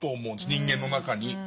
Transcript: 人間の中に。